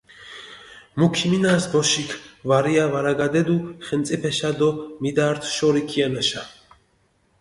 მუ ქიმინას ბოშიქ, ვარია ვარაგადედუ ხენწიფეშა დო მიდართუ შორი ქიანაშა.